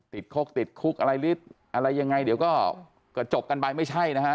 ติดคุกอะไรหรืออะไรยังไงเดี๋ยวก็จบกันไปไม่ใช่นะฮะ